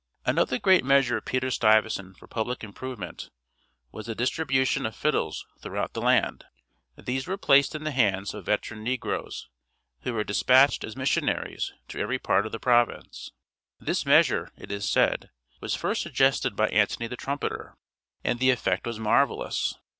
Another great measure of Peter Stuyvesant for public improvement was the distribution of fiddles throughout the land. These were placed in the hands of veteran negroes, who were despatched as missionaries to every part of the province. This measure, it is said, was first suggested by Antony the Trumpeter, and the effect was marvelous.